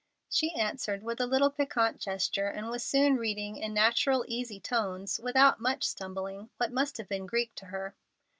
She answered with a little piquant gesture, and was soon reading in natural, easy tones, without much stumbling, what must have been Greek to her.